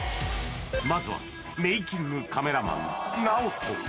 まずはメイキングカメラマン・ＮＡＯＴＯ